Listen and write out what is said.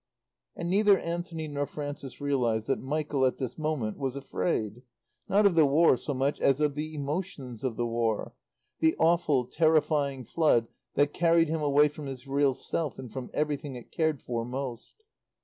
And neither Anthony nor Frances realized that Michael, at this moment, was afraid, not of the War so much as of the emotions of the War, the awful, terrifying flood that carried him away from his real self and from everything it cared for most.